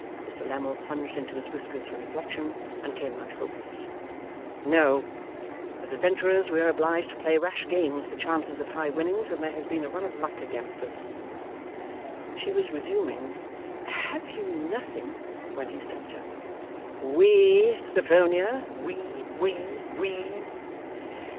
Mr Lammle plunged into his whiskers for reflection, and came out hopeless: 'No; as adventurers we are obliged to play rash games for chances of high winnings, and there has been a run of luck against us.' She was resuming, 'Have you nothing ' when he stopped her. 'We, Sophronia. We, we, we.